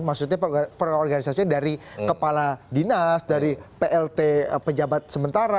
maksudnya pengorganisasian dari kepala dinas dari plt pejabat sementara